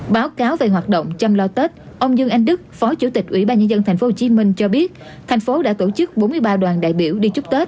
báo cáo về hoạt động chăm lo tết ông dương anh đức phó chủ tịch ủy ban nhân dân tp hcm cho biết thành phố đã tổ chức bốn mươi ba đoàn đại biểu đi chúc tết